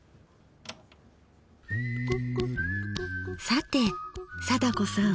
さて貞子さん。